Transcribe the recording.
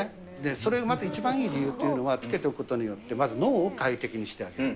それ、まず一番いい理由っていうのは、つけておくことによって、まず脳を快適にしてあげる。